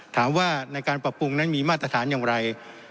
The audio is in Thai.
ถามว่าในการปรับปรุงนั้นมีมาตรฐานอย่างไร